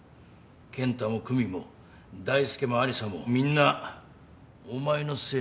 健太も久美も大介も有沙もみんなお前のせいで変わった。